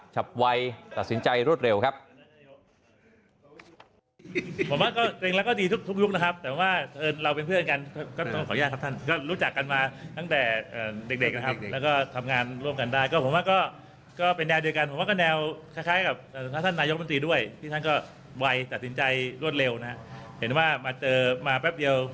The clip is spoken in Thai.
ฉับไวตัดสินใจรวดเร็วครับ